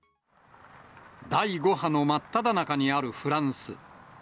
第５波の真っただ中にあるフランス。